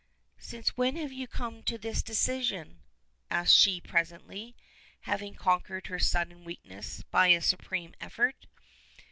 "Since when have you come to this decision?" asks she presently, having conquered her sudden weakness by a supreme effort.